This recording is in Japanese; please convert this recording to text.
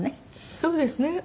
そうですね。